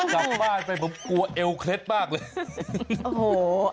ดีกว่าเอวเคล็ดมากเลย